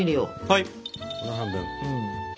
はい。